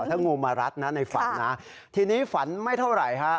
ถ้างูมารัดนะในฝันนะทีนี้ฝันไม่เท่าไหร่ฮะ